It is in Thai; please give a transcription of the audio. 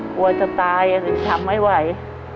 กลัวจะตายหรือทำไม่ไหว